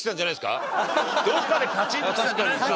どっかでカチンときたんじゃないですか？